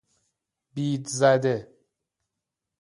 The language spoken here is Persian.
بیدزده